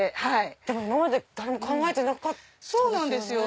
でも今まで誰も考えてなかったですよね。